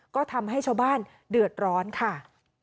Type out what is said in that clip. ก็ทำให้ชาวบ้านเดือดร้อนค่ะ